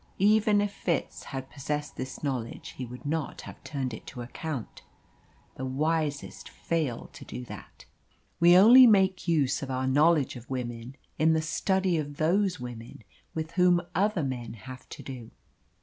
Even if Fitz had possessed this knowledge he would not have turned it to account. The wisest fail to do that. We only make use of our knowledge of women in the study of those women with whom other men have to do.